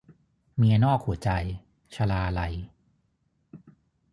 เมียนอกหัวใจ - ชลาลัย